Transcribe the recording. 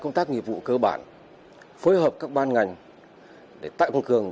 công an tỉnh khánh hòa